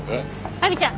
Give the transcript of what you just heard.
亜美ちゃん